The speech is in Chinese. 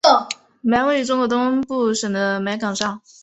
梅庵位于中国广东省肇庆市端州区城西的梅庵岗上。